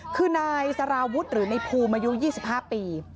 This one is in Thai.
คือนายสารวุฒิหรือในภูมิอายุ๒๕ปี